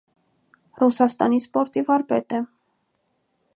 Ռուսաստանի սպորտի վարպետ է։